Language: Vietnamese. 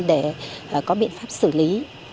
để có biện pháp xử lý